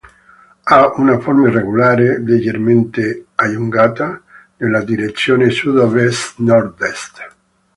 Ha una forma irregolare, leggermente allungata nella direzione sudovest-nordest.